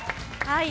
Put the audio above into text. はい。